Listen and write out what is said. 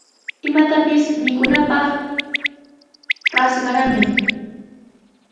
Imatapis mikunaapaq sas qaramay.